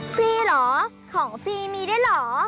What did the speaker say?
ซีเหรอของฟรีมีด้วยเหรอ